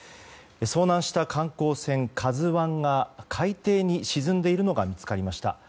遭難した観光船「ＫＡＺＵ１」が海底に沈んでいるのが見つかりました。